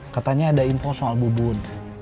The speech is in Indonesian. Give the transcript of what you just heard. katanya ada info soal bubun